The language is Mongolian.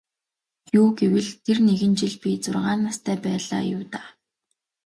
Юу гэвэл тэр нэгэн жил би зургаан настай байлаа юу даа.